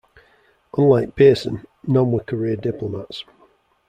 Unlike Pearson, none were career diplomats.